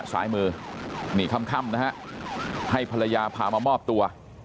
ซ้ายมือนี่ค่ำนะฮะให้ภรรยาพามามอบตัว